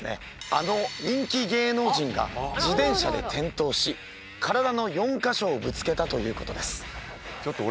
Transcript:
あの人気芸能人が自転車で転倒し体の４か所をぶつけたということです。